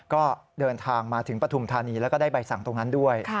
ก็เดินทางมาถึงปฐุมธานีแล้วก็ได้ใบสั่งตรงนั้นด้วย